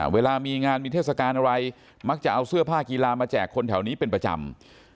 เวลามีงานมีเทศกาลอะไรมักจะเอาเสื้อผ้ากีฬามาแจกคนแถวนี้เป็นประจำ